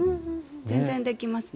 全然できますね。